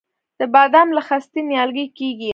د بادام له خستې نیالګی کیږي؟